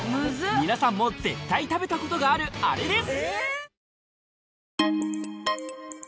皆さんも絶対食べたことがあるあれです